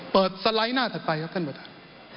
สไลด์หน้าถัดไปครับท่านประธาน